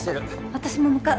私も向かう。